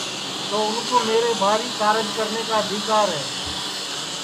تو اُن کُو میرے بھاری کارج کرنے کا آدیکر ہے